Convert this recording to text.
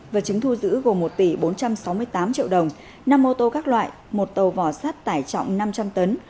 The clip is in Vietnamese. vật chứng thu giữ gồm một tỷ bốn trăm sáu mươi tám triệu đồng năm mô tô các loại một tàu vỏ sắt tải trọng năm trăm linh tấn